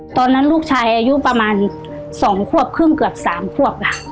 ตอนนั้นลูกชายอายุประมาณ๒ควบครึ่งเกือบ๓ควบ